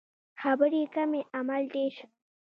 خبرې کمې عمل ډیر